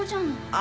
あ。